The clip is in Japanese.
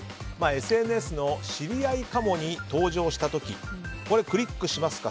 ＳＮＳの「知り合いかも」に登場した時クリックしますか？